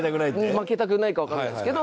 負けたくないかわかんないですけど。